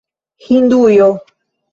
Hindujo